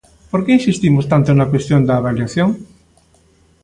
¿Por que insistimos tanto na cuestión da avaliación?